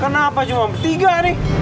kenapa cuma bertiga nih